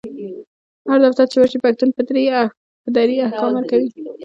هر دفتر چی ورشي پشتون په دري احکام ورکوي